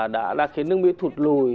đã khiến nước mỹ thụt lùi